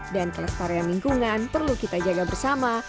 dan kelestarian lingkungan perlu kita jaga bersama